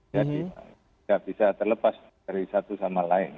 jadi tidak bisa terlepas dari satu sama lain